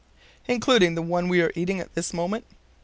"Including the one we are eating at this moment."